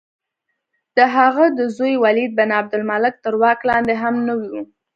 د هغه د زوی ولید بن عبدالملک تر واک لاندې هم نه وه.